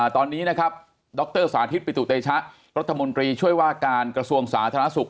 ตอนนี้นะครับดรสาธิตปิตุเตชะรัฐมนตรีช่วยว่าการกระทรวงสาธารณสุข